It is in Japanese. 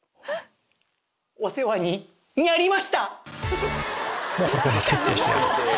お世話にニャりました！